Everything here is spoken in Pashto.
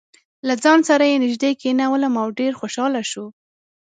له ځان سره یې نژدې کېنولم او ډېر خوشاله شو.